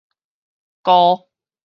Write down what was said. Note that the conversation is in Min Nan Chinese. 菇